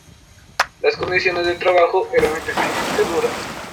Las condiciones de trabajo eran especialmente duras.